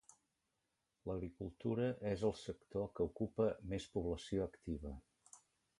L'agricultura és el sector que ocupa a més població activa.